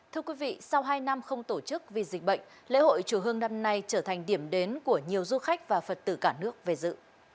thưa quý vị sau hai năm không tổ chức vì dịch bệnh lễ hội chùa hương năm nay trở thành điểm đến của nhiều du khách và phật tử cả nước về dự